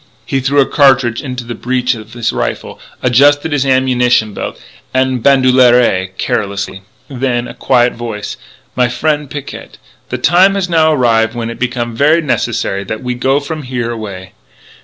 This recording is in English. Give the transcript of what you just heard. He threw a cartridge into the breech of his rifle, adjusted his ammunition belt en bandoulière, carelessly. Then, in a quiet voice: "My frien' Picquet, the time has now arrive when it become ver' necessary that we go from here away.